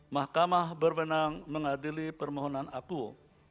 mahkamah berwenang mengadili permohonan akuo